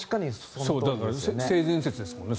性善説ですもんね。